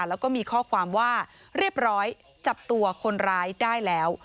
แล้วก็มีข้อความว่าเรียบร้อยจับตัวคนร้ายได้แล้ว